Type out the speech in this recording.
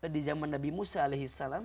di zaman nabi musa alaihi salam